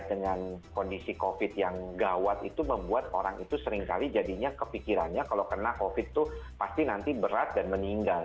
dengan kondisi covid yang gawat itu membuat orang itu seringkali jadinya kepikirannya kalau kena covid itu pasti nanti berat dan meninggal